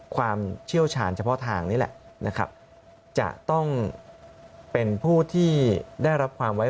เชี่ยวชาญเฉพาะทางนี่แหละนะครับจะต้องเป็นผู้ที่ได้รับความไว้